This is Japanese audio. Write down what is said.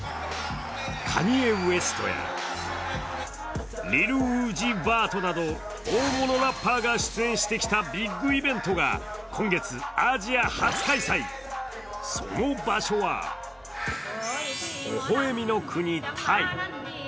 カニエ・ウェストやリル・ウージー・ヴァートなど大物ラッパーが出演してきたビッグイベントが今月アジア初開催、その場所はほほ笑みの国・タイ。